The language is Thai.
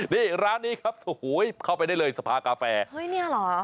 นี่ร้านนี้ครับโอ้โหเข้าไปได้เลยสภากาแฟเฮ้ยเนี่ยเหรอ